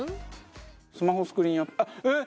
スマホスクリーンえっ！